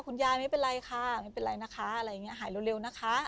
คุณยายไม่เป็นไรค่ะไม่เป็นไรนะคะอะไรอย่างนี้หายเร็วนะคะ